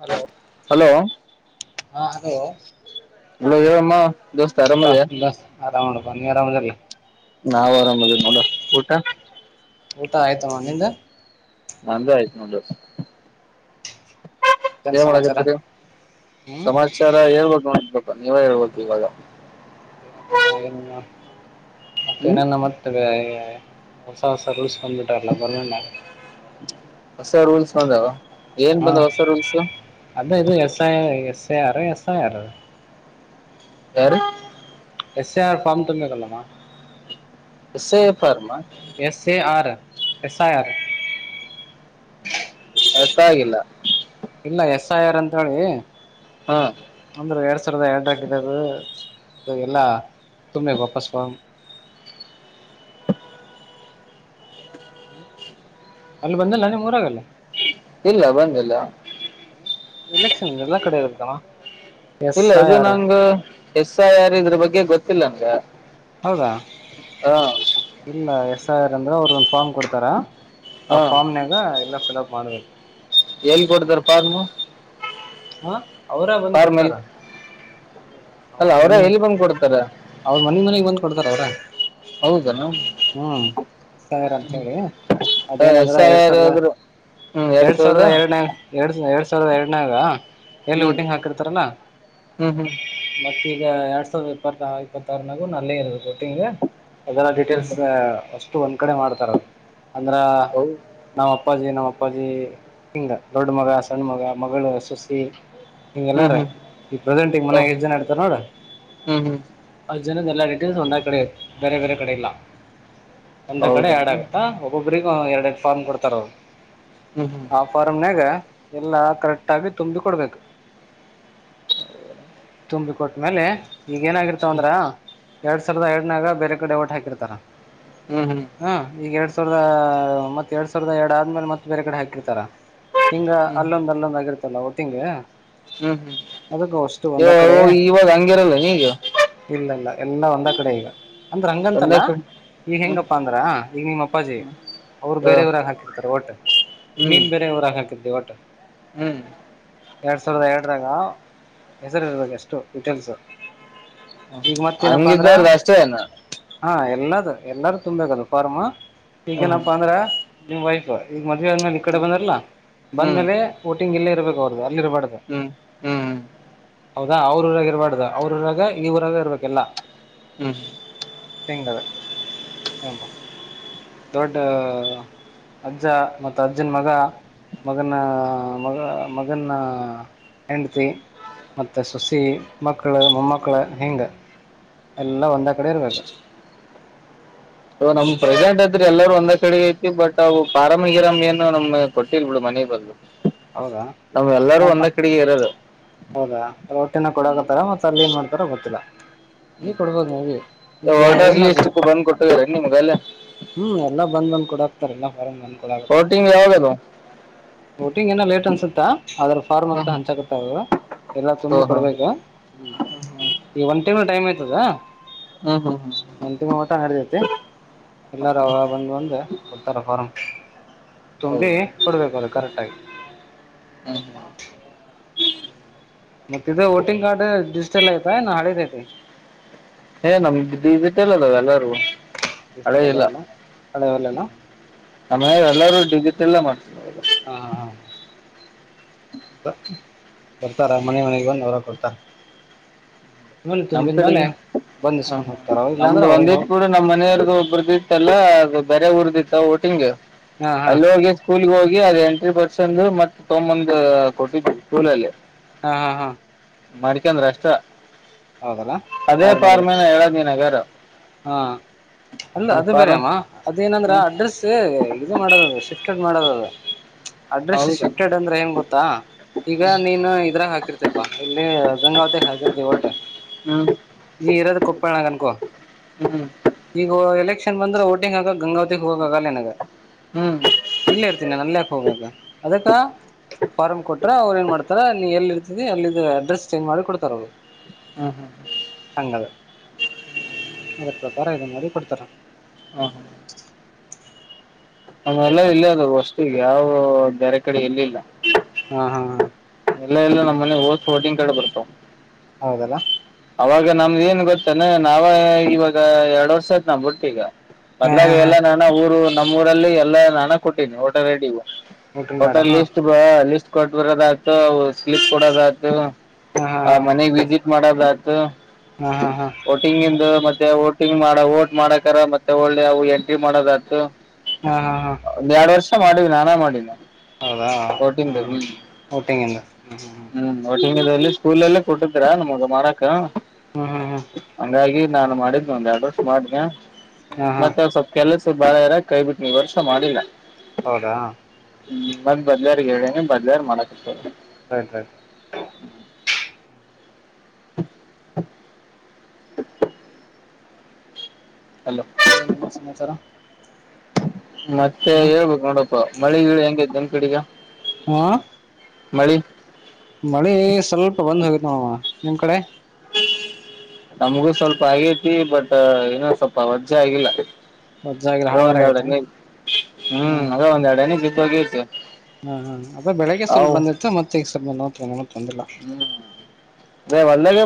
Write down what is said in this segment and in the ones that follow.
Hello hello ಹಾ hello ಇವಲೋ ಏಮ್ಮ ಅಪ್ಪ ಬಲ್ಲಸ್ ಆರಾಮ್ ನೀವು ಆರಾಮ್ದರ ನಾವು ಆರಾಮ್ದ ಮಡ ಊಟ ಊಟ ಆಯ್ತಮ್ಮ ನಿಂದ ನ ಆಯ್ತ್ ಏನ್ ಮತ್ತೇನ್ ಸಮಾಚಾರ ಏನ್ ಹ್ಮ್ ಸಮಾಚಾರ ಹೇಳ್ಬೇಕು ನೋಡ ನೀವೇ ಹೇಳ್ಬೇಕು ಇವಾಗ ಮ್ಮ ಏ ಮತ್ತ ಹ್ಮ್ ಏನ ಮಾಡತೇವೆ ಹೊಸ ಹೊಸ ರೂಲ್ಸ್ ಕಂಪಟಾರಲ್ಲ ಗರ್ಮೆಂಟ್ ನ ಹದಾವ ಹಾ ಅದ ಇದು S I S I R S I R ಯಾರ ಎಸ್ ಐ ಆರ್ ಫಾರ್ ತುಂಬೆ ಕಲ್ಲಾಮಾ ಸೇ ಪಾರಮ S A R S I R ಅರ್ಥ ಆಗಿಲ್ಲ ಇಲ್ಲ ಎಸ್ ಆರ್ ಅಂತ ಹೇಳಿ ಹಾ ಒಂದ್ರ ಎರಡ್ ಎರಡ ಅದು ಎಲ್ಲಾ ತುಮ್ಮಿ ವಾಪಸ್ ಹ್ಮ್ ಅಲ್ಲಿ ಬಂದಲ್ಲ ನಿಮ್ ಊರಗಲ್ಲ ಇಲ್ಲ ಬಂದಿಲ್ಲ ಎಲೆಕ್ಷನ್ ಎಲ್ಲ ಕಡೆಯದಾಮ ಇಲ್ಲ ಇದು ನಂಗ ಎಸ್ ಯಾರ ಇದ್ರ ಬಗ್ಗೆ ಗೊತ್ತಿಲ್ಲ ನನ್ಂಗ ಹೌದಾ ಇಲ್ಲ ಎಸ್ ಆರ್ ಅಂದ್ರೆ ಅವರು ಫಾರ್ಮ್ ಕೊಡ್ತಾರ ಹಾ ಆ ಫಾರ್ಮ್ನಾಗ ಎಲ್ಲ ಫಿಲ್ಅಪ್ ಮಾಡ್ಬೇಕು ಎಲ್ ಕೊಡ್ತಾರ ಪ ಹಾ ಅವರ ಬಂದ್ ಕೊಡ್ತಾರ ಅಲ್ಲ ಮನ ಅವ್ರ ಎಲ್ಲಿ ಬಂದ್ ಕೊಡ್ತಾರ ಅವ್ರ ಮನ ಮನೆ ಬಂದ್ ಕೊಡ್ತಾರ ಅವ್ರ ಹೌದನ ಹ್ಮ್ ಸರ ಅಂತ ಹೇಳಿ ಎಸ್ ಅದೇನಂದ್ರ ಐ ಎರಡ್ ಆರ್ ಸಾವಿರದ ಹೋದ್ರು ಎರಡ್ ಸಾವಿರದ ಎರಡ ಎಡ್ ಸಾವಿರದ ಎರಡನಾಗ ಎಲ್ಲಿ ಹ್ಮ್ ವೋಟ್ ಹಾಕಿರ್ತಾರ ಮ ಹ್ಮ್ ಹ್ಮ್ ಈಗ ಎರಡ್ ಸಾವಿರದ ಇಪ್ಪ ಇಪ್ಪತ್ತಾರ ನಾಗು ನಲ್ಲೇ ಇರದು ಕೊಟ್ಟಿಂಗ್ ಅದೆಲ್ಲ ಹ್ಮ್ ಡೀಟೇಲ್ಸ್ ಹ್ಮ್ ಅಷ್ಟ ಒಂದ್ ಕಡೆ ಮಾಡ್ತಾರ ಅಂದ್ರ ಹೌದು ನಾವ್ ಅಪ್ಪಾಜಿ ನಮ್ಮ ಅಪ್ಪಾಜಿ ಹಿಂಗ ದೊಡ್ಡ ಮಗ ಸಣ್ಣ ಮಗ ಮಗಳು ಸಸಿ ಹಂಗಗೆ ಹ್ಮ್ ಎಲ್ಲಾರ ಹ್ಮ್ ಈ ಪ್ರೆಸೆಂಟ್ಂಗ್ ಮನ್ಯಾಗ ಓಹೋ ಎಷ್ಟ್ ಜನ ಇಡ್ತಾರ ನೋಡ್ರ ಹ್ಮ್ ಹ್ಮ್ ಎ ಡಟೇಸ್ ಒಂದೇ ಕಡೆ ಬೇರೆ ಬೇರೆ ಕಡೆ ಇಲ್ಲ ಒಂದೇ ಕಡೆ ಹೌದಾ ಆಡ್ ಹ್ಮ್ ಆಗುತ್ತಾ ಒಬ್ರಗೂ ಎರಡ್ ಎರಡು ಫಾರ್ಮ್ ಕೊಡ್ತಾರ ಅವರು ಹ್ಮ್ ಹ್ಮ್ ಆ ಫಾರ್ಮ್ನಾಗ ಎಲ್ಲ ಕರೆಕ್ಟ್ ಆಗಿ ತುಂಬು ಕೊಡ್ಬೇಕು ತುಂಬಿ ಕೊಟ್ಟ್ಮೇಲೆ ಈಗ ಏನಾಗಿರ್ತವ ಅಂದ್ರ ಎರಡ್ ಸಾವಿರದ ಎರಡ್ನಾಗ ಬೇರೆ ಕಡೆ ಓಟ್ ಹಾಕಿರ್ತಾರ ಹ್ಮ್ ಹ್ಮ್ ಹಾ ಈಗ ಎರಡ್ ಸ ಸಾವಿರದ ಮತ್ತತ್ ಎರಡ್ ಸಾವಿರದ ಎರಡ್ ಆದ್ಮೇಲೆ ಮತ್ತೆ ಬೇರೆ ಕಡೆ ಹಾಕಿರ್ತಾರ ಹಿಂಗ ಹ್ಮ್ ಅಲ್ಲೊಂದ್ ಅಲ್ಲೊಂದ್ ಆಗಿರ್ತ್ತಲ್ಲ ಒಟ್ಟಿಂಗ ಹ್ಮ್ ಅದಕ್ಕ ಅವ ಅಷ್ಟು ಇವ ಒಂದ ಕಡೆ ಇವಾಗ ಹಂಗಿರಲ್ಲ ಈಗ ಇಲ್ಲ ಇಲ್ಲ. ಎಲ್ಲಾ ಒಂದ ಕಡೆ ಈಗ ಅಂದ್ರ ಒಂದ ಹಂಗಂತಲ್ಲ ಹ್ಮ್ ಈಗ ಹ್ಮ್ ಹೆಂಗಪ್ಪಾ ಅಂದ್ರ ಈಗ ನಿಮ್ಮ ಅಪ್ಪಾಜಿ ಅವ್ರು ಬೇರೆ ಹ್ಮ್ ಊರಾಗ ಹಾಕಿರ್ತಾರೆ ಹೊಟ್ ನೀನ್ ಬೇರೆೆ ಊರಾಗ ಹಾಕಿರ್ತಿ ಹೊಟ್ ಹ್ಮ್ ಎರಡು ಸಾವಿರದ ಎರಡರಾಗ ಹೆಸರಿ ಇರ್ಬೇಕು ಎಷ್ಟು ಡೀಟೇಲ್ಸು ಈಗ ಮತ್ತೇನಪ್ಪಾ ಅಂದ್ರ ಹಂಗಿದ್ದವ್ರದ ಅಷ್ಟೇನ ಹಾ ಎಲ್ಲದು ಎಲ್ಲಾರು ತುಂಬಬೇಕದು ಫಾರ್ಮ್ ಹ್ಮ್ ಈಗೇನಪ್ಪಾ ಅಂದ್ರ ನಿಮ್ ವೈಫ್ ಈಗ ಮದುವ ಆದ್ಮೇಲೆ ಈ ಕಡೆ ಬಂದಾರಲ್ಲ ಹ್ಮ್ ಹ್ಮ್ ಬಂದ್ಮೇಲೆ ಹೊಟಿಂಗ್ ಇಲ್ಲೇ ಇರಬೇಕು ಅವ್ರದ ಹ್ಮ್ ಹ್ಮ್ ಹೌದಾ ಅವ್ರೂ ಊರಾಗ ಇರಬಾರ್ದ ಅವ್ರ ಉರಾಗ ಇಉರಾಗ ಇರ್ಬೇಕಲ್ಲ. ಹ್ಮ್ ಹ ದೊಡ್ಡ ಅಜ್ಜ ಮತ್ತ ಅಜ್ಜನ್ ಮಗ ಮಗನ ಮಗಳ ಮಗನ್ನ ಹೆಂಡತಿ ಮತ್ತೆ ಸೊಸಿ ಮಕ್ಳ ಮೊಮ್ಮಕ್ಳ ಹಿಂಗ ಎಲ್ಲ ಒಂದ ಕಡೆ ಇರ್ಬೇಕ. ನಮ್ ಪ್ರೆಸೆಂಟ್ ಅ ಆದ್ರೆ ಎಲ್ಲಾರೂ ಒಂದ್ ಕಡೆ ಐತಿ ಬಟ್ ಅವು ಪಾರಂ ಗಿರಾಮ ಏನೂ ನಮ್ ಕೊಟ್ಟಿಲ್ ಬಿಡು ಮನೆಗೆ ಬಂದು ಹೌದಾ ನಮವ ಎಲ್ಲರೂ ಏನಪ್ಪಾ ಒಂದ ಕಡೆಗೆ ಇರೋದು ಹೌದಾ ರೋಟಿನ ಹ್ಮ್ ಕೊಡಕತಾರ ಮತ್ತೆ ಅಲ್ಲಿ ಏನ್ ಮಾಡ್ತಾರ ಗೊತ್ತಿಲ್ಲ. ಅಲ್ಲಿ ಕೊಡ್ಬೋದು ಮೇ ಬಿ ಈಗ ವೋಟರ್ಸ್ ಎಲ್ಲಕ್ ಲಿಸ್ಟ್ ಬಂದ್ ಕೊಟ್ಟಿದಾರೆ ನಿಮ್ಗ ಅಲ್ಲೇ ಹ್ಮ್ ಎಲ್ಲ ಬಂದ್ ನಮ್ಮ ಕೂಡಕತ್ತರೆ ಎಲ್ಲಾ ಹೊರ್ ಬಂದ ಹೊಟಿಂಗ್ ಯಾವಾಗದು ಹೊಟಿಂಗ್ ಏನ ಲೇಟ್ ಅನ್ಸುತ್ತಾ ಅದ್ರ ಫಾರ್ಮ ಅಂತ ಹಂಚಕತ್ತವ ಎಲ್ಲಾ ತುಂಬಿ ಓಹೋ ಕೊಡ್ಬೇಕ ಹ್ಮ್ ಈ ಒಂದ ತಿಂಗಳ ಟೈಮ್ ಆಯ್ತದ. ಹ್ಮ್ ಹ್ಮ್ ಹ್ಮ್ ಒಂದ್ ತಿಂಗಳ ಮಠ ನಡೀತೇತಿ ಎಲ್ಲಾರು ಅವಗ ಬಂದು ಬಂದು ಕೊಡ್ತಾರ ಫಾರಂ ತುಂಬಿ ಬಿಡ್ಬೇಕು ಅದು ಕರೆಕ್ಟ್ ಆಗಿ ಹ್ಮ ಮತ್ತ ಇದು ವೋಟಿಂಗ್ ಕಾರ್ಡ್ ಡಿಜಿಟಲ್ ಆಯತನ ಹಳೆದ ಐತಿ ಏ ನಮ್ದ್ ಡಿಜಿಟಲ್ ಎಲ್ಲಾರವು ಬಿಸ್ತ ಅದವಲ್ಲ ಹಳೆವಲ್ಲೆಲ್ಲ ನಮ್ಮ ಮನೆಗೆ ಎಲ್ಲರೂ ಡಿಜಿಟಲ್ ಮಾಡಿಸ್ತಾರ ದ ಬರ್ತಾರ ಮನೆ ಮನೆಗೆ ಬಂದು ಅವರ ಕೊಡ್ತಾರ ಆಮೇಲೆ ನಮ್ ತುಂಬಿದ ಮೇಲೆ ಕಡೆಗೆ ಬಂದ್ ಹ ಇಸ್ಕೊಂಡ್ ಹೋಗ್ತಾರ ಇಲ್ಲಾಂದ್ರೆ ನಮ್ದು ಒಂದ್ ಅವ್ರಿಗೆ ಇಟ್ ಹೋಗಿ ಬಿಡು ನಮ್ಮ್ನೆಯವ್ರ್ದು ಒಬ್ರ್ದು ಇತ್ತಲ್ಲಾ ಅದು ಬೇರೆ ಊರದ ಸಿಕ್ತ ಹೊಟಿಂಗ್ ಹಾ ಹಾ ಅಲ್ಲಿ ಹೋಗಿ ಸ್ಕೂಲ್ಗೆ ಹೋಗಿ ಏನಾರ ಎಂಟ್ರಿ ಬರ್ಸ ಅಂದ್ರ ಮತ್ ತೊಂಬಂದ ಕೊಟ್ಟಿದ್ವಿ ಸ್ಕೂಲಲ್ಲಿ ಹಾ ಹಾ ಹಾ ಮಡ್ಕಂದ್ರ ಅಷ್ಟ ಹೌದಲ್ಲ ಅದೇ ಆಡ್ ಮಾಡಿದ್ರು ಪಾರ್ಮನ ಹೇಳದ ನಿನ್ ಹಂಗರ್ ಹಾ ಅಲ್ಲ ಅದು ಬೇರೆ ಫಾರ್ಮ್ ಅಮ್ಮ ಅದೇ ಏನಂದ್ರ ಹ್ಮ್ ಅಡ್ರೆಸ್ ಇದು ಮಾಡೋದದು ಶಿಫ್ಟ ಮಾಡೋದದು ಅಡ್ರೆಸ್ ಹೌದಾ ಶಿಫ್ಟೆಡ್ ಅಂದ್ರೆ ಏನ್ ಗೊತ್ತಾ ಈಗ ನೀನು ಇದ್ರಾಗ ಹಾಕಿರ್ತಪಾ ಇಲ್ಲಿ ಗಂಗಾವತಿಗ್ ಹಾಕಿರ್ತಿ ಹೊಟ್ ಹ್ಮ್ ನೀ ಇರದ ಕೊಪ್ಪಳ ನಾಗ್ ಅನ್ಕೋ ಹ್ಮ್ ಈಗ ಎಲೆಕ್ಷನ್ ಬಂದ್ರೆ ವೊಟಿಂಗ್ ಆಗ ಗಂಗಾವತಿಗ್ ಹೋಗಾಗಲ್ಲ ನಿನಗ ಹ್ಮ್ ಇಲ್ಲೆ ಇರ್ತೀನಿ ಅಲ್ಯಕ್ ಹೋಗಬಕ್ಕ ಅದಕ್ಕ ಫಾರ್ಮ್ ಕೊಟ್ರ ಅವ್ರು ಏನ್ ಮಾಡ್ತಾರ ನೀ ಎಲ್ಲಿ ಇರ್ತೀದಿ ಅಲ್ಲಿದ ಅಡ್ರೆಸ್ ಚೇಂಜ್ ಮಾಡಿ ಕೊಡ್ತಾರ ಅವ್ರು ಹ್ಮ್ ಹ್ಮ್ ಹ್ಮ ಹಂಗ ಅದ್ರ ಪ್ರಕಾರ ಇದ ಮಾಡಿ ಕೊಡ್ತಾರ ಹಾ ಹ ಅೆಲ್ಲ ಹಂಗಾಯ್ತ್ ನೋಡ್ ಇಲ್ಲಿ ಅದ ವಸ್ು ಯಾವು ಬೇರೆ ಕಡೆ ಎಲ್ಲಿಲ್ಲ ಹ್ಮ ಹಾ ಹಾ ಎಲ್ಲ ಎಲ್ಲ ನಮ್ಮನೆ ಓದ ಹೋಟಿಂಗ್ ಕಡೆ ಬರ್ತಾವ ಹೌದಲ್ಲ ಅವಾಗ ನಮ್ದ ಏನ್ ಗೊತ್ತಂದ ನಾವ ಇವಾಗ ಎರಡ್ ವರ್ಷ ಆಯ್ತ ನಾವ್ ಬಿುಟ್ಟೀಗ ಹಾ ಮೊದ್ಲಾಗ ಹಾ ಹಾ ಎಲ್ಲಾ ನಾನ ಊರು ನಮ್ಮೂಊರಲ್ಲಿ ಎಲ್ಲಾ ನಾನ ಕೊಟ್ಟೀನಿ ಊಟ ರೆಡಿ ವೋಟಿಂಗ್ ಕಾರ್ಡ್ ಟಲ್ ಹಾ ಲಿಸ್ಟ್ ಬ ಲಿಸ್ಟ್ ಕೊಟ್ಟ ಬರೋದ ಆ್ತು ಸ್ಲಿಪ್ ಕೊಡೋದ ಆಯ್ತು ಹಾ ಆ ಹಾ ಮನೆಗ್ ವಿಸಿಟ್ ಮಾಡದ ಆತ ಹಾ ಹಾ ಹಾ ಓಟಿಂಗ್ ಇಂದು ಮತ್ತೆ ಮಾಡ ಓಟ್ ಮಾಡಕರ ಮತ್ತೆ ಒಳ್ಳೆ ಅವು ಎಂಟ್ರಿ ಮಾಡೋದತು ಹಾ ಹಾ ಹಾ ಮಾಡಿ ನಾನಾ ಮಾಡಿಲ್ಲ ಹೌದಾ ಹ್ಮ್ ಊಟೆ ಹ್ಮ್ ಒಟ್ಟಂಗಲ್ಲಿ ಸ್ಕೂಲ್ಲ್ಲ ಕೊಟ್ಟಿದ್ರ ನಮಗ ಮಾರಾಕ್ ಹ್ಮ್ ಹ್ಮ್ ಹ್ಮ್ ಹಂಗಾಗಿ ನಾನು ಮಾಡಿದ್ನ ಒಂದ್ ಎರಡು ವರ್ಷ ಮಾಡನ ಹಾ ಹಾ ಮತ್ತೆ ಅವ್ ಸ್ವಲ್ಪ ಕೆಲಸ ಬಾಳ ಯಾರಾಗ ಕೈ ಬಿಿಟ್ ನೀವು ವರ್ಷ ಮಾಡಿಲ್ಲ ಹೌದಾ ಹ್ಮ್ ಮತ್್ ಬದ್ಲಾರ ಹೇಳೇನೆ ಬದ್ಲಾರ್ ಮಾಡಕತ ರೈಟ್ ರೈಟ್ ಹಲೋ ಮತ್ತ ನಮ್ಮ ಸಮಾಚಾರ ಮತ್ತೆ ಹ್ಮ್ ಹೇಳ್ಬೇಕು ನೋಡಪ್ಪಾ ಮಳಿ ಗೀಳ ಹೆಂಗೈತ ನ್ ಕಡಿಗ ಹಾ ಮಳಿ ಮಳೆ ಸ್ವಲ್ಪ ಬಂದ್ ಹೋಗೇತ್ತು ನೋಡವ ನಿಮ್ ಕಡೆ ನಮಗೂ ಸ್ವಲ್ಪ ಆಗೈತಿ ಬಟ್ ಏನ ಸ್ವಲ್ಪ ವರ್ಜೆ ಆಗಿಲ್ಲ ವಜ್ಜಾಗಿಲ್ಲ ಅದ ಹಳಬರ ಒಂದ ಎರಡ ಆಗೈತೆ ನೀ ಹ್ಮ್ ಅದ ಒಂದರಡ ನಿ ಜಿದ್ದ ಹೋಗಿತ್ತು ಹಾ ಹಾ ಅದ ಬೆಳಿಗ್ಗೆ ಸ್ವಲ್ಪ ಬಂದಿರ್ ಮತ್ತೆಗ ಸ್ವಲ್ಪ ನೋ ಬಂದಿಲ್ಲ ಹ್ಮ್ ಅದೇ ಹೊಲ್ದಾಗ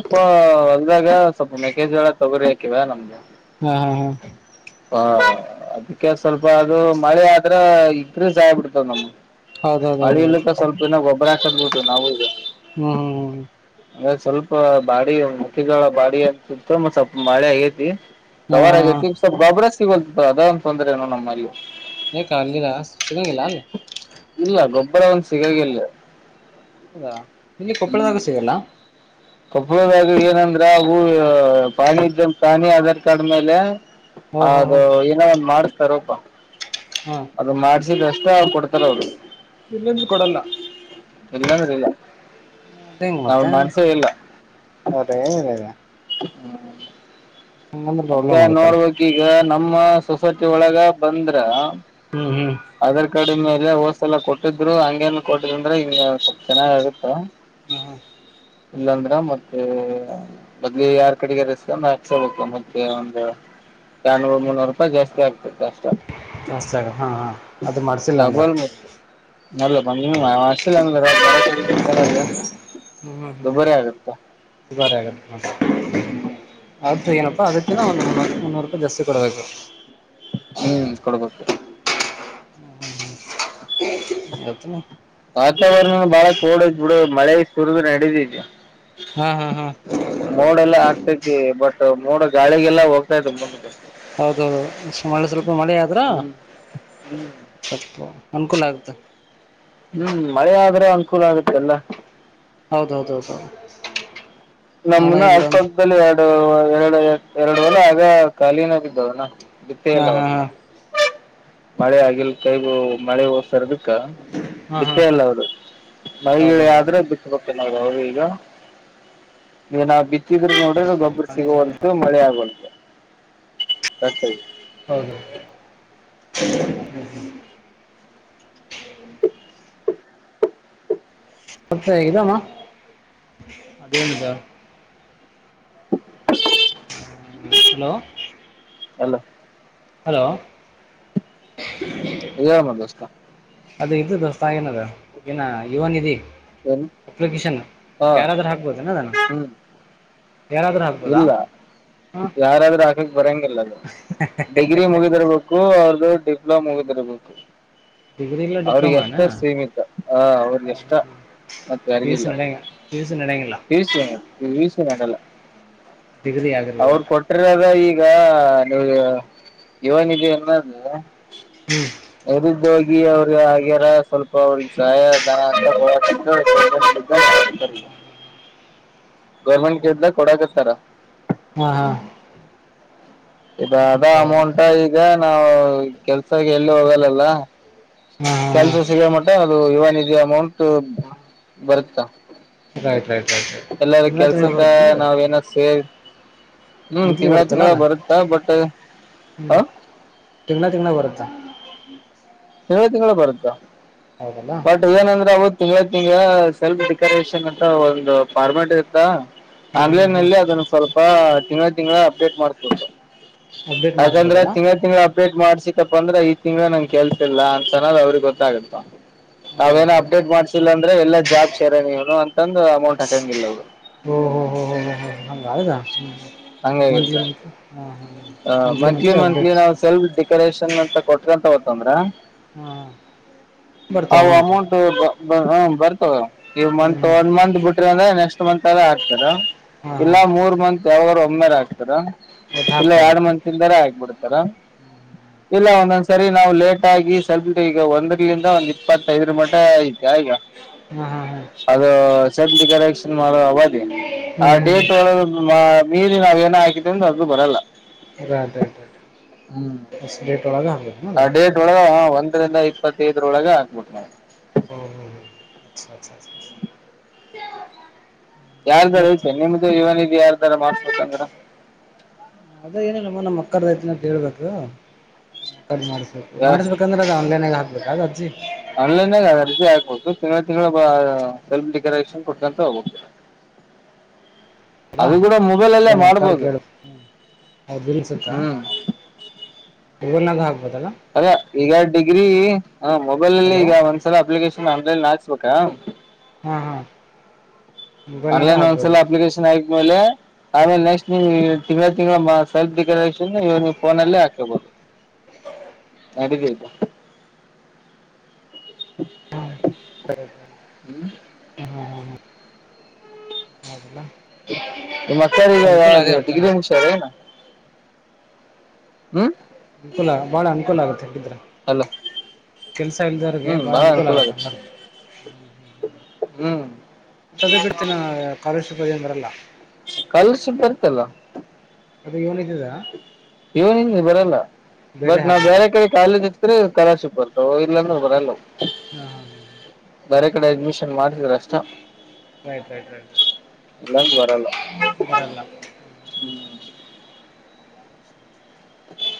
ಹೊದಾಗ ಸ್ವಲ್ಪ ಮೆಕೇಜ್ ತೊಗರಿ ಹಾಕಿವಾ ನಮ್ಗೆ ಹಾ ಹಾ ಹಾ ಹಾ ಅದಕ್ಕೆ ಸ್ವಲ್ಪ ಅದು ಮಳೆ ಆದ್ರೆ ಇಗ್ರ ಜಾಯಬಿಡ್ತಾವ ನಮ್ ಮಳಿ ಹೌದೌದೌದೌದು ಇಲಿಕ್ಕ ಸ್ವಲ್ಪ ಇನ್ನ ಗೊಬರ ಹಾಕದಬಿಟ ನಾವು ಈಗ ಹ್ಮ್ ಹ್ಮ್ ಅಂದ ಸ್ವಲ್ಪ ಬಾಡಿ ಮಟ್ಟಿಗಳ ಬಾಡಿ ಅಂತತ್ತು ಮ ಸ್ವಲ್ಪ ಮಳೆ ಆಗೇತಿ ಹ್ಮ್ ಹಾ ಸವಾರ ಹಾ ಹಾ ಆಗೈತಿ ಸಿಗೋಲ್ತದ ಅದಂತ ತೊಂದ್ರೆನು ನಮ್ಮಲ್ಲಿ ನ ಕಲಿರಾಸಗಗೆಲ್ಲಲ್ ಅರ ಒಂದು ಸಿಗಾಗಿಿಲ್ಲ ಹೌದಾ ನಿಲ್ಲಿ ಕೊಪ್ಪಳದಾಗ ಸಿಗಲ್ಲ ಕಪ್ಪಳದಾಗ ಏನಂದ್ರ ಹೂ ಪಾಣಿ ಇದ್ದಂತ ತಾಣಿ ಆಧಾರ್ ಕಾರ್ಡ್ ಮೇಲೆ ಹೋ ಹ ಹೋ ಅದು ಹೋ ಏನೋ ಮಾಡ್ತಾರಪ ಹಾ ಅದು ಮಾಡ್ಸಿದಷ್ಟ ಕೊಡ್ತಲ್ಲ ಅವರು ಇಲ್ಲಂದ್ರೂ ಕೊಡಲ್ಲ ಎಲ್ಲಾಮರಿಲ್ಲ ಅದ ಹೆಂಗ ಮತ್ತೆ ಅದೇಿದೆ ಹ್ಮ ಅತ್ತ ಆಗುತ್ತಲ್ಲ ನೋಡ್ಬೇಕಕ್ ಈಗ ನಮ್ಮ ಸೊಸೈಟಿ ಒಳಗ ಬಂದ್ರ ಹ್ಮ್ ಹ್ಮ್ ಆಧಾರ್ ಕಾರ್ಡಿ ಮೇಲೆ ಇಲ್ಲೇ ಹೋಸ್ ಎಲ್ಲ ಕೊಟ್ಟಿದ್ರು ಹಂಗೇನ್ ಕೊಟ್ಟಿದ್ ಅಂದ್ರೆ ಹಿಂಗ ಸ್ಪ್ ಚೆನ್ನಾಗ ಆಗುತ್ತ ಹ ಹಾ ಇಲ್ಲಾಂದ್ರ ಮತ್ತೆ ಬದ್ಲಿ ಯಾರ್ ಕಡೆಗೆ ರಸ್ತ ನ ಮೆ ಒಂದು ನನೂರು ಮುನ್ನೂರು ರೂಪಾಯಿ ಜಾಸ್ತಿ ಆಗ್ತದೆ ಜಾಸ್ತಿ ಆಗ ಹಾ ಹಾ ಅದು ಮಾಡ್ಸಿಲ್ಲ ಅಂದ್ರ ನಲ್ಲ ಪ ಹ್ಮ್ ಹ್ಮ್ ಹ್ಮ್ ಚನ್ನದುಬರಿ ಆಗುತ್ತ ಹ್ಮ್ ಅದದು ಏನಪ್ಪಾ ಅದಕ್ಕಿಂತ ಒಂದು ಮುನ್ನೂರು ರೂಪಾಯಿ ಜಾಸ್ತಿ ಕೊಡಬೇಕು ಹ್ಮ್ ಕೊಡ್ಬು ಎತ್ತನ ವಾತಾವರಣ ಬಾಳ ಕೋಡದ್ ಬಿಡು ಮಳೆ ಸುರಿದು ನಡೆದಿದವಿ ಹಾ ಹಾ ಹಾ ಮೋಡೆ ಎಲ್ಲಾ ಆಗ್ತೈತಿ ಬಟ್ ಮೋಡ್ ಗಾಳಿಗೆಲ್ಲ ಹೋಗ್ತಾ ಮುಂದೆ ಹೌದುೌದು ಮಳೆ ಸ್ವಲ್ಪ ಮಳೆ ಆದ್ರ ಹ್ಮ್ ಹ್ಮ್ ಸ್ಪ್ಪು ಅನ್ಕೂ ಆಗುತ್ತ ಹ್ಮ್ ಮಳೆ ಆದ್ರೆ ಅನುಕೂಲ ಆಗುತ್ತೆ ಎಲ್ಲ ಹೌದೌದೌದೌದು ನಮನ ಅಕ್ಕಪಕ್ಕದಲ್ಲಿ ಎರಡು ಎರಡು ಎರಡು ವಲ ಆಗ ಖಾಲೀನಾಗಿದ್ದಾವನಾ ಬಿತ್ತೇ ಹಾ ಇಲ್ಲ ಹಾ ಹಾ ಅವ್ರನ್ನ ಮಳೆ ಆಗಿಲ್ ಕೈ ಮಳೆ ಹೋಸರ ಬಿ ಹಾ ಹಾ ಬಿತ್ತೇ ಅಲ್ಲ ಅವರು ಮೈಗಿಳ ಹೌದೌದು ಆದ್ರೆ ಬಿಟ್ಟಬೇಕು ನ್ನದು ಈಗ ನೀನ ಬಿ ಹಿದ್ರ ನೋಡ್ರೆ ಗೊಬ್ಬರು ಸಿಗುವಂತು ಮಳೆ ಆಗುವಂತು ಹತೆ ಹೌದು [inaudible] ಮತ್ತ ಹೇಗಿದಮ್ಮ ಅದೇನಿದ [inaudible] ಹಲೋ ಅಲ್ಲೋ ಹಲೋ ಯ ಮಾಡ ದೋಸ್ತ ಅದ ಇದ್ದ ದೋಸ್ತೇನದು ಏನ ಇವನ್ದಿ ಏನು ಅಪ್ಲಿಕೇಶನ್ ಹಾ ಯಾರಾದ್ರೂ ಹಾಕ್ಬೋದನದಾನ ಹ್ಮ್ ಯಾರಾದ್ರೂ ಆಗ್ಬೋದಾ ಇಲ್ಲ ಯಾರಾದ್ರೂ ಆಕಕ್ ಬರಂಗಿಲ್ಲ ಅದು ಡಿಗ್ರಿ ಮುಗಿದಿರ್ಬೇಕು ಅವ್ರದುು ಡಿಪ್ಲೋಮೋಗತ್ತರಬೇಕು ಡಿಗ್ರಿ ಇಲ್ಲ ಅವ್ರಿಗೆ ಡಿಪ್ಲೊಮಾನ ಎಷ್ಟ ಸೀಮಿತ ಹ ಅವ್ರಿಗೆ ಎಷ್ಟ ಮತ್ತೆ ಪಿ ಯು ಸಿ ಅರಿಗಿಲ್ಲ ನಡೆಯಂಗ ಪಿ ಯು ಸಿ ನಡೆಯಂಗಿಲ್ಲ ಬಸಣ ವಿಸಲ್ಲ ಡಿಗ್ರಿ ಆಗಿರ್ಬೇಕು ಅವರು ಒಟ್ಟು ಕೊಟಿರದ ಈಗ ಈಗ ನೀವು ಇವನಿದೆ ಅನ್ನೋದು ಎದ್ದ ಹೋಗಿ ಅವ್ರಿಗೆ ಆಗ್ಯಾರ ಸ್ವಲ್ಪ ಅವ್ರಿಗೆ ಸಹಾಯಧನ ಅಂತ ಹ್ಮ ಗೌರ್ಮೆಂಟ್ ಗೆದ್ದ ಕೊಡಕತ್ತಾರ ಹಾ ಹಾ ಇದ ಅದ ಹಾ ಅಮೌಂಟ ಈಗ ನಾವವು ಕೆಲ್ಸಕ್ಕೆ ಎಲ್ಲಿ ಹೋಗಲ್ಲಲ್ಲ ಹಾ ಕೆಲ್ಸ ಹಾ ಸಿಗ ಮಟ ಅದು ಯುವ ನಿಧಿ ಅಮೌಂಟ್ ಬರುತ್ತಾ ರೈಟ್ ರೈಟ್ ರೈಟ್ ರೈಟ್ ಎಲ್ಲಾರ ತಿಂಗಳ ತಿಂಗಳ ಕೆಲ್ಸಕ್ಕ ಬರುತ್ತೇನ ನಾವ ಅದು ಏನಕ್ ಸೇರ್ ಹ್ಮ್ ತಿಂಗಗಳ ತಿಂಗಗಳ ಬರುತ್ತಾ ಬಟ್ ಹ ಹ್ಮ್ ತಿಂಗನ ತಿಂಗನ್ನ ಬರತ್ತ ತಿಂಳ ತಿಂಗಳು ಬರುತ್ತಾ ಬಟ್ ಹ್ಞೂ ನಂದ್ರೆ ಅವ ತಿಂಳ ಈಗ ಸೆಲ್ಫ್ ಡೆಕೋರೇಷನ್ ಅಂತ ಒಂದು ಫಾರ್ಮೆಟ್ ಇತ್ತಾ ಹ್ಞೂ ಹ್ಞೂ ಹ್ಞೂ ಆನ್ಲೈನ್ಲ್ಲಿ ಅದನ್ನು ಸ್ವಲ್ಪ ತಿಂಳ ತಿಂಗಳ ಅಪ್ಡೇಟ್ ಮಾಡ್ತು ಅಪ್ಡೇಟ್ ಹಾಗಂದ್ರೆ ಮಾಡಿಸ್ಬೇಕಲ್ಲ ತಿಂಗಂಳ ತಿಂಗ್ಳ ಅಪ್ಡೇಟ್ ಮಾಡ್ಸಿಕಪ್ಪ ಅಂದ್ರೆ ಈ ತಿಂಗ್ಳ ನಂಗಗೆ ಕೆಲ್ಸ ಇಲ್ಲ ಅಂತನ ಅವ್ರಿಗೆ ಗೊತ್ತಾಗತ್ತ ಹಾಂ ರೈಟ್ ನಾವೇಏನ ರೈಟ್ ಅಪ್ಡೇಟ್ ರೈಟ್ ಮಾಡ್ಸಿಲ್ಲ ಅಂದ್ರೆ ಎಲ್ಲಾ ಜಾಬ್ ಶೇರ ನೀವನು ಅಂತಂದು ಅಮೌಂಟ್ ಹಾಕಂಗಿಲ್ಲ ಅವರು ಹೊ ಹೊ ಹೊ ಹೊ ಹೊ ಹಂಗ ಅಲ್ಲ ಮಂತ್ಲಿ ಮಂತ್ಲಿ ಹಾ ಹ. ಹ ಮಂತ್ಲಿ ಮಂತ್ಲಿ ನಾವು ಸೆಲ್ಫ್ ಡೆಕೋರೇಷನ್ ಅಂತ ಕೋಟ್ಗಂತ ಹೊತಂದ್ರ. ಹ್ಮ ಅವು ಅಮೌಂಟ್ ಬ ಬ ಹ್ಮ್ ಬರ್ತದ ಈ ಹ್ಞೂ ಮಂತ ಹ್ಞೂ ಒನ್ ಮಂತ್ ಬಿಟ್ರಂದ್ರ ನೆಕ್ಸ್ಟ್ ಹ ಮಂತರ ಅಲ್ಲ ಹಾಕ್ತಾರ ಹಾಂ ಇಲ್ಲಾ ಹಾಂ ಮೂರ್ ಮಂತ್ ಯಾವಾಗರ ಒಮ್ಮರ್ ಹಾಕ್ತಾರ. ಒಟ್ಟು ಇಲ್ಲ ಹಾಕ್ತಾರೆ ಯಾಡ್ ಮಂತಿಂದರ ಹಾಕ್ಬಿಡ್ತಾರ ಇಲ್ಲ ಒಂದಂದ ಸರಿ ನಾವು ಲೇಟ್ ಆಗಿ ಸ್ವಲ್ಪ ಈಗ ಒಂದ್ರಲಿಂದ ಒಂದ್ ಇಪ್ಪತ್ತೈದರ ಮಟ್ಟ ಐತೆ ಈಗ ಹ್ಮ್ ಹ್ಮ ಹ್ಮ ಸಬ ಡಿಕರೆಶನ್ ಮಾಡೋ ಅವಧಿ ಹ್ಞೂ ಆ ಹ್ಞೂ ಹ್ಞೂ ಡೇಟ್ ಒ [unintelligible] ಮೀರಿ ನಾವ ಏನ ಹಾಕಿದೀವಂದ್ರ ಅದು ಬರಲ್ಲ. ರಾ ರೇ ರೇ ಹ್ಮ್ [unintelligible] ಫಸ್ಟ್ ಡೇಟ್ ಒಳಗ ಹಾಕ್ಬೇಕೆನ್ ಅದು. [unintelligible] ರಿಂದ ಇಪ್ಪತ್ತೈದರೊಳಗ ಹಾಕ್ಬೇಕ ನವು. ಹ್ಮ್ ಹ್ಮ್ ಹ್ಮ್ [unintelligible] ಅಾ ಅ ಯಾರ್ದಾರ ಐತ ನಿಮ್ದು ಇವನಿಗೆ [unintelligible] ಯಾರ್ದಾರ ಮಾಡ್ಸ್ಬೇಕಂದ್ರ. ಅದೇ ಏನೀಲಮ್ಮ ನಮ್ಮ ಅಕ್ಕರ್ದೈತನ ಅಂತ ಹೇಳ್ಬೇಕು. ಕಟ್ ಮಾಡಸ್ಬೇಕು ಮಾಡಸಬೇಕಂದ್ರ ಅದ ಆನ್ಲೈನಾಗ ಹಾಕ್ಬೇಕ ಅರ್ಜಿ. ಆನ್ಲೈನದಾಗ ಅರ್ಜಿ ಹಾಕ್ಬೇಕು ತಿಂಗಳಿಗ್ ತಿಂಗಳಿಗ್ ಸೆಲ್ಫ್ ಡಿಕ್ಲರೇಷನ್ ಕೊಟ್ಕಂತ ಹೋಗ್ಬೇಕು. ಹ [inaudible] ಹಲೋ ಅದು ಕೂಡ ಮೊಬೈಲ್ ಅಲ್ಲೇ ನಮ್ಮ ಅಕ್ಕರ ಮಾಡ್ಬೋದು [unintelligible] ಹ್ಮ್ ಗರ್ನಾಗ [unintelligible] ಆಗ್ಬೊದಲ್ಲ. ಅದ ಈಗ ಡಿಗ್ರಿ ಮೊಬೈಲಲ್ಲಿ ಹಲೋ ಈಗ ಒಂದ್ಸಲ ಅಪ್ಲಿಕೇಶನ್ ಆನ್ಲೈನಗ ಕಾ ಹಾ ಹಾ ಮೊಬೈಲ್ನಾಗ ಆನ್ಲೈನ್ ಹಾಕ್ಬೋದು ಒಂದ್ಸಲ ಅಪ್ಲಿಕೇಶನ್ ಆಗಿದ್ಮೇಲೆ. ಆಮೇಲೆ ನೆಕ್ಸ್ಟ್ ನೀವು ತಿಂಗಳ ತಿಂಗ್ಳ ಸೆಲ್ ಡಿಕ್ಲರೇಷನ್ವು ನೀವು ಫೋನಲ್ಲೇ ಹಾಕೇಬೋದು. ಹ ನಡಿತೈತ. ಹ [inaudible] ಹ [unintelligible] ಹ್ಮ ಮತ್ತ್ ಮತ್ತೇನಿಲ್ಲ ಅದ ಡಿಗ್ರಿ ಮುಗಸದು ಹ್ಮ್. ಅನುಕೂಲ ಬಾಳ ಅನುಕೂಲ ಆಗುತ್ತೆ. ್ರ ಅಲ್ಲ [unintelligible] ಕೆಲ್ಸ ಇಲ್ದವ್ರಿಗೆ ಹ್ಮ್ ಬಾಳ ಬಹಳ ಅನುಕೂಲ ಆಗತ್ತಲ್ವ. ಆಗುತ್ತೆ ಹ್ಮ್ ಮತದೆ ಬಿಡ್ತಿನ ಕಾಲರ್ ಶಿಪ್ ಏನ್ ಬರಲ್ಲ. ಕಲರಷಿಪ್ ಬರ್ತಲ್ಲ. ಅದು ಏನ್ ಇದ್ದಿದಾ. ಇವು ನಿನಗ ಬರಲ್ಲ ಬಟ್ ನಾ ಹಾಕ್ಬೇಕ ಬೇರೆ ಕಡೆ ಕಾಲೇಜ್ ತ್ರಿ ಕಾಲರಶಿಪ್ ಬರ್ತಾವ ಇಲ್ಲಾಂದ್ರ ಬರಲ್ಲ. ಹ್ಮ್ ಹ್ಮ ಹ್ಮ ಬ್ಯಾರೆ ರ ಕಡೆ ಅಡ್ಮಿಷನ್ ಮಾಡಿಸ್ಡ್ರ ಅಷ್ಟ. ರೈಟ್ ರೈಟ್ ರೈಟ ರೈಟ್ ಇಲ್ಲಾಂದ್ರೆ ಬರಲ್ಲ. ಬರಲ್ಲ. ಅಾ ಅ [unintelligible] ಹ್ಮ [unintelligible]